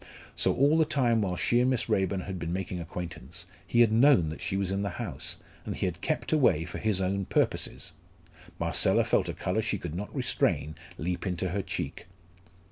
So all the time while she and Miss Raeburn had been making acquaintance, he had known that she was in the house, and he had kept away for his own purposes! Marcella felt a colour she could not restrain leap into her cheek.